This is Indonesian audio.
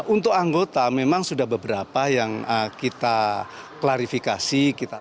untuk anggota memang sudah beberapa yang kita klarifikasi